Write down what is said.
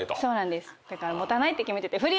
だから持たないって決めてて。